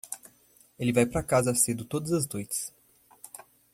Ele vai para casa cedo todas as noites.